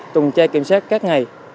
tùng trai kiểm soát các ngày